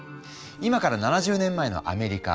今から７０年前のアメリカ。